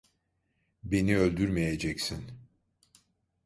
Beni öldürmeyeceksin.